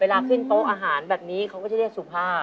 ขึ้นโต๊ะอาหารแบบนี้เขาก็จะเรียกสุภาพ